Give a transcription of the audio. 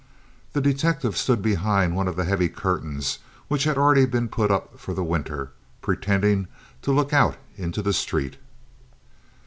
The detective stood behind one of the heavy curtains which had already been put up for the winter, pretending to look out into the street.